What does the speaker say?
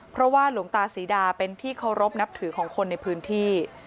เพราะว่าหลวงตาศรีดาเป็นที่เคารพนับถือของคนในพื้นที่